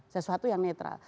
sesuatu yang netral